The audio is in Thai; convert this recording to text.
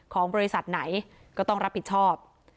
ของบริษัทไหนก็ต้องรับผิดชอบ